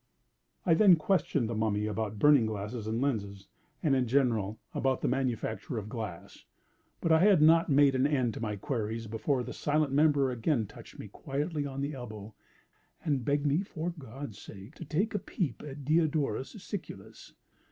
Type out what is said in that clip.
I then questioned the Mummy about burning glasses and lenses, and, in general, about the manufacture of glass; but I had not made an end of my queries before the silent member again touched me quietly on the elbow, and begged me for God's sake to take a peep at Diodorus Siculus.